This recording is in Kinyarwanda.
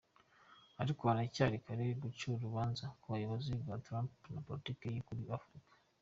Ariko haracyari kare guca urubanza ku buyobozi bwa Trump na politiki ye kuri Afurika.”